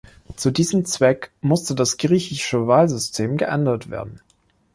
Zu diesem Zweck musste das griechische Wahlsystem geändert werden.